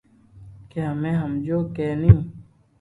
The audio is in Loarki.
ڪي ھمي ھمجيو ھي ني